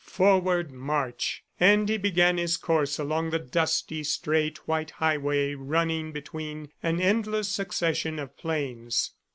Forward March! And he began his course along the dusty, straight, white highway running between an endless succession of plains.